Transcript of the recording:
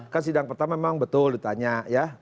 kan sidang pertama memang betul ditanya ya